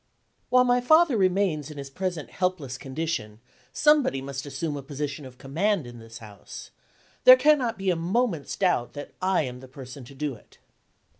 While my father remains in his present helpless condition, somebody must assume a position of command in this house. There cannot be a moment's doubt that I am the person to do it.